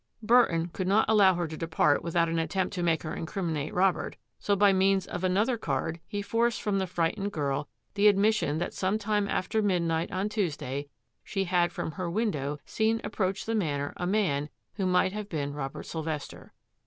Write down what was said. Burton could not allow her to depart without an attempt to make her incriminate Robert, so, by means of another card, he forced from the fright ened girl the admission that some time after mid night on Tuesday she had from her window seen approach the Manor a man who might have been Robert Sylvester.